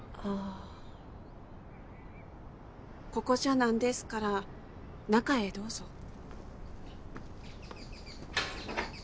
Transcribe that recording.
ここじゃ何ですから中へどうぞ。